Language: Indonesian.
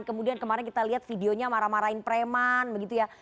kemudian kemarin kita lihat videonya marah marahin preman begitu ya